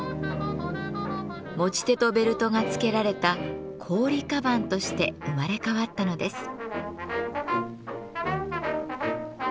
持ち手とベルトがつけられた行李鞄として生まれ変わったのです。